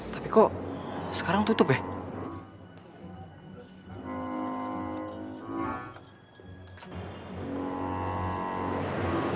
tapi kok sekarang tutup ya